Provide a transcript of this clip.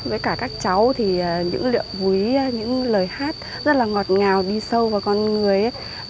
với cả các cháu thì những liệu quý những lời hát rất là ngọt ngào đi sâu vào con người ấy